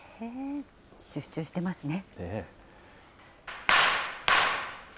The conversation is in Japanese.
集中してますね。